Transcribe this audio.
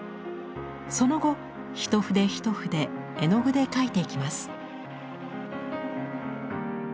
その後一筆一筆絵の具で描いていきます。